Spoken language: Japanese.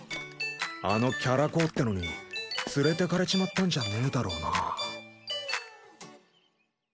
あのキャラ公ってのに連れてかれちまったんじゃねえだろうな。